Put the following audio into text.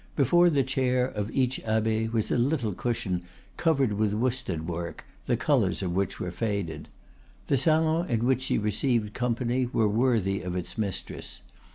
Before the chair of each abbe was a little cushion covered with worsted work, the colors of which were faded. The salon in which she received company was worthy of its mistress.